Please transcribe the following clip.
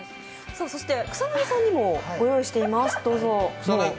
そして草薙さんにもご用意しています。